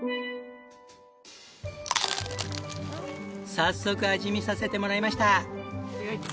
早速味見させてもらいました。